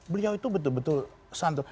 beliau itu betul betul santun